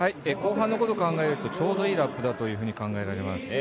後半のことを考えるとちょうどいいラップだと考えられます。